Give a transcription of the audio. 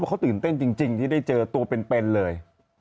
เขาตื่นเต้นจริงที่ได้เจอตัวเป็นเลย